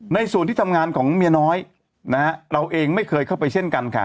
ในส่วนที่ทำงานของเมียน้อยนะฮะเราเองไม่เคยเข้าไปเช่นกันค่ะ